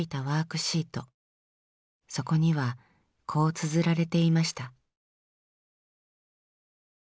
そこにはこうつづられていました。